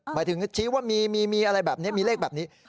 หมายถึงชี้ว่ามีอะไรแบบนี้มีเลขแบบนี้